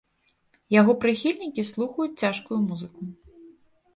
Яго прыхільнікі слухаюць цяжкую музыку.